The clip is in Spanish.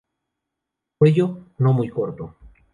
Cuello: No muy corto.